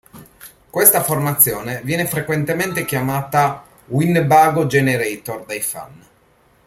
Questa formazione viene frequentemente chiamata "Winnebago Generator" dai fan.